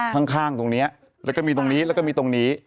ข้างตรงนี้แล้วก็มีตรงนี้แล้วก็มีตรงนี้